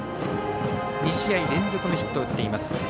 ２試合連続のヒットを打っています。